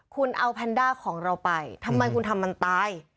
คุณเอาแพนด้าของเราไปทำไมคุณทำมันตาย